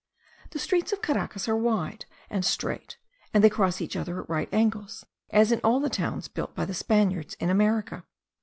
The streets of Caracas are wide and straight, and they cross each other at right angles, as in all the towns built by the Spaniards in America.